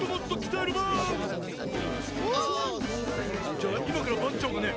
じゃあいまからばんちょうがね